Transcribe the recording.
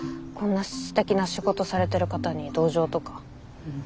こんな素敵な仕事されてる方に同情とか。